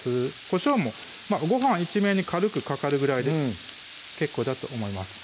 こしょうもご飯一面に軽くかかるぐらいで結構だと思います